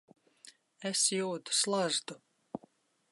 Es jūtu slazdu.